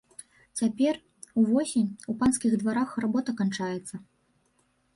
Цяпер, увосень, у панскіх дварах работа канчаецца.